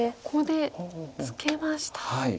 ここでツケました。